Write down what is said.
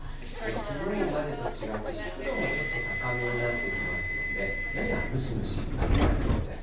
きのうまでと違って、湿度もちょっと高めになってきますので、ややムシムシ感じられそうです。